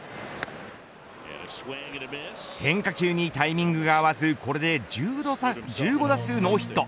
変化球にタイミングが合わずこれで１５打数ノーヒット。